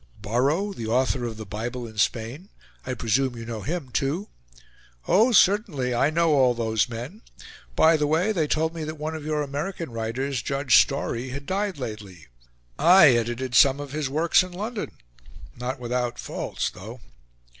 "Borrow, the author of 'The Bible in Spain,' I presume you know him too?" "Oh, certainly; I know all those men. By the way, they told me that one of your American writers, Judge Story, had died lately. I edited some of his works in London; not without faults, though."